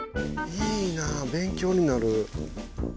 いいなぁ勉強になる。